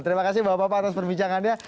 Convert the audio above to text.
terima kasih bapak bapak atas perbincangannya